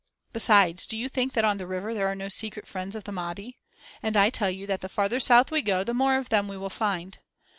Besides, do you think that on the river there are no secret friends of the Mahdi? And I tell you that the farther south we go the more of them we will find.